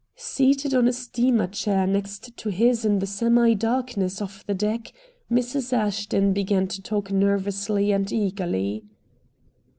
Seated on a steamer chair next to his in the semi darkness of the deck, Mrs. Ashton began to talk nervously and eagerly.